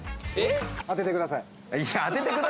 当ててください。